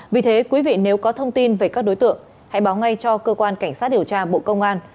vì thế quý vị nếu có thông tin về các đối tượng hãy báo ngay cho cơ quan cảnh sát điều tra bộ công an